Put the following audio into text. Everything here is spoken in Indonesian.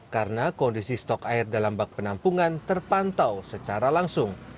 karena kondisi stok air dalam bak penampungan terpantau secara langsung